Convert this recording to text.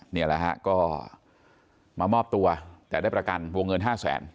นี่แหละฮะก็มามอบตัวแต่ได้ประกันวงเงิน๕แสน